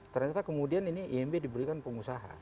ternyata kemudian ini imb diberikan pengusaha